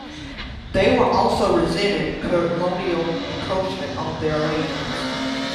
They were also resented colonial encroachment on their lands.